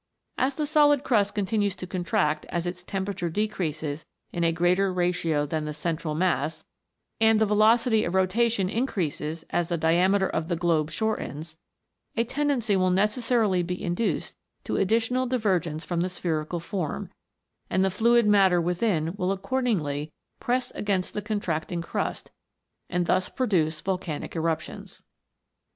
As the solid crust continues to contract as its temperature decreases in a greater ratio than the central mass, and the velocity of rotation increases as the diameter of the globe shortens, a tendency will necessarily be in duced to additional divergence from the spherical form, and the fluid matter within will accordingly press against the contracting crust, and thus pro duce volcanic eruptions.